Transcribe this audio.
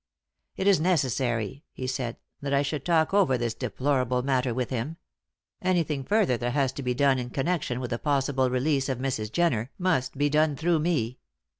"It is necessary," he said, "that I should talk over this deplorable matter with him. Anything further that has to be done in connection with the possible release of Mrs. Jenner must be done through me.